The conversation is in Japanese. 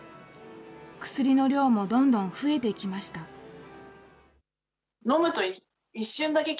薬の量もどんどん増えていきました。